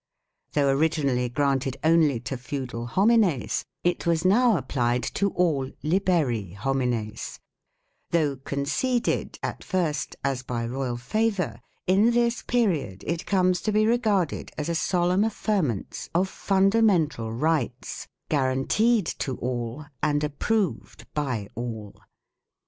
Though originally granted only to feudal " homines," it was now applied to all " liberi homines ": though " conceded " at first as by royal favour, in this period it comes to be regarded as a solemn affirmance of fundamental rights, guaranteed to all, and approved by all.